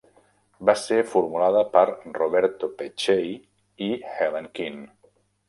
Va ser formulada per Roberto Peccei i Helen Quinn.